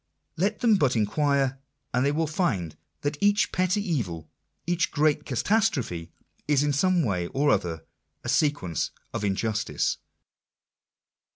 Let them but inquire, and they will find that each petty evil, each great catastrophe, is in some way or other a sequence of injustice.